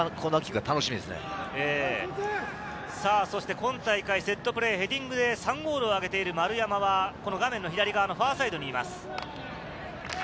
そして今大会セットプレー、ヘディングで３ゴールを挙げている丸山は、画面の左側のファーサイドにいます。